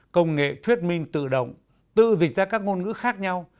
công nghệ thuyết minh tự động tự dịch ra các ngôn ngữ khác nhau